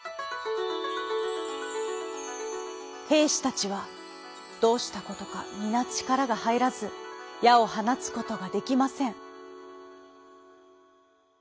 へいしたちはどうしたことかみなちからがはいらずやをはなつことができません。